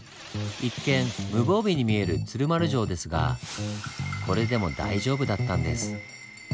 一見無防備に見える鶴丸城ですがこれでも大丈夫だったんです。